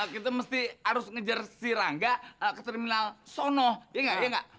kita mesti harus ngejar si rangga ke terminal sono iya gak iya gak